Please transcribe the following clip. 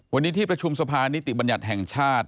วันนี้ที่ประชุมสภานิติบัญญัติแห่งชาติ